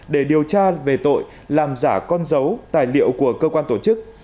để điều tra về tội làm giả con dấu tài liệu của cơ quan tổ chức